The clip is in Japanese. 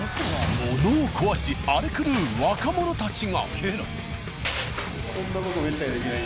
物を壊し荒れ狂う若者たちが。